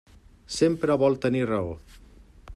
Sempre vol tenir raó.